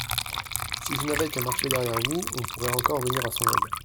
Si je n'avais qu'à marcher derrière vous, on pourrait encore venir à son aide.